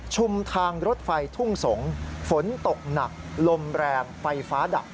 ทางรถไฟทุ่งสงศ์ฝนตกหนักลมแรงไฟฟ้าดับ